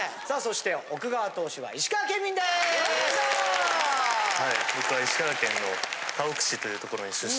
さあそして奥川投手は石川県民です！